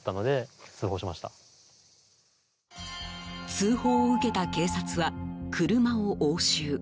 通報を受けた警察は車を押収。